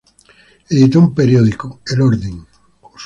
Editó un periódico, "El Orden".